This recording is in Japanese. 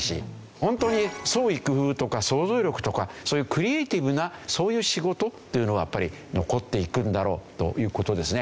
本当に創意工夫とか想像力とかそういうクリエイティブなそういう仕事っていうのはやっぱり残っていくんだろうという事ですね。